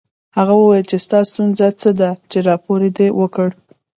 هغه وویل چې ستا ستونزه څه ده چې راپور دې ورکړ